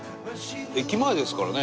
駅前ですからね